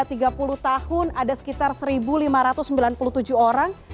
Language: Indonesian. dari kelompok usia dua puluh satu hingga tiga puluh tahun ada sekitar satu lima ratus sembilan puluh tujuh orang